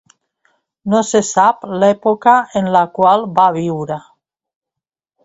No se sap l'època en la qual va viure.